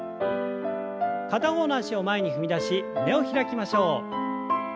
片方の脚を前に踏み出し胸を開きましょう。